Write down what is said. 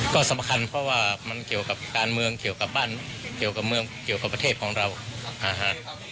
ก็สำคัญเพราะว่ามันเกี่ยวกับการเมืองเกี่ยวกับบ้านเกี่ยวกับเมืองเกี่ยวกับประเทศของเรานะฮะ